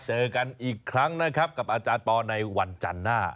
เจอกันอีกครั้งนะครับกับอาจารย์ปอลในวันจันทร์หน้า